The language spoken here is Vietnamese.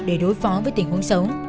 để đối phó với tình huống xấu